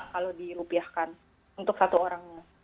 kalau dirupiahkan untuk satu orang